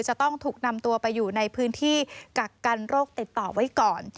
จะต้องถูกนำตัวไปอยู่ในพื้นที่กักกันโรคติดต่อไว้ก่อน